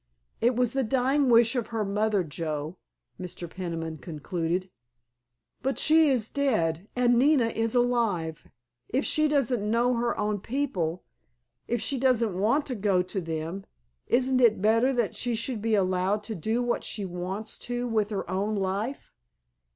"It was the dying wish of her mother, Joe," Mr. Peniman concluded. "But she is dead—and Nina is alive. If she doesn't know her own people—if she doesn't want to go to them—isn't it better that she should be allowed to do what she wants to with her own life?"